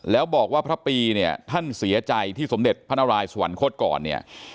แล้วบอกว่าพระปีเนี่ยท่านเสียใจที่สมเด็จพระนารายสวรรคตก่อนเนี่ย